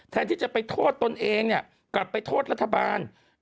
แทนที่จะไปโทษตนเองเนี่ยกลับไปโทษรัฐบาล